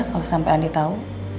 kalau sampe andi tau